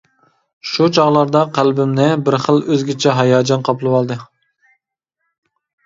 شۇ چاغلاردا قەلبىمنى بىر خىل ئۆزگىچە ھاياجان قاپلىۋالدى.